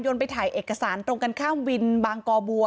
ไปถ่ายเอกสารตรงกันข้ามวินบางกอบัว